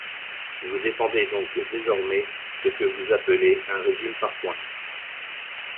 Vous défendez donc désormais ce que vous appelez un régime par points.